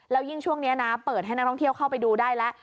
แล้วยิ่งช่วงนี้นะเปิดให้นักท่องเที่ยวเข้าไปดูได้แล้ว